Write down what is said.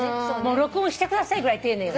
録音してくださいぐらい丁寧。